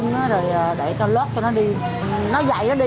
nó chờ mình lót thì bắt đầu nó đi